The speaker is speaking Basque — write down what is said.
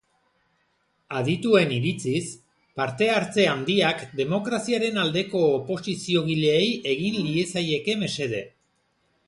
Adituen iritziz, parte-hartze handiak demokraziaren aldeko oposiziogileei egin liezaieke mesede.